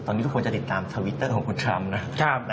ตอนนี้ทุกคนจะติดตามทวิตเตอร์ของคุณทรัมป์นะ